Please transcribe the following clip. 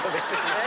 え？